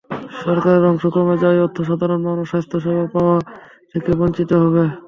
সরকারের অংশ কমে যাওয়ার অর্থ সাধারণ মানুষ স্বাস্থ্যসেবা পাওয়া থেকে বঞ্চিত হবে।